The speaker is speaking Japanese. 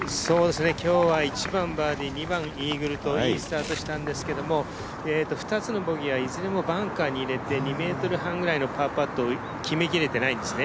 今日は１番バーディー、２番イーグルと、いいスタートしてたんですけど２つのボギーはいずれもバンカーに入れて２ｍ半ぐらいのパーパットを決め切れてないんですね。